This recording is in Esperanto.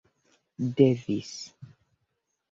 devis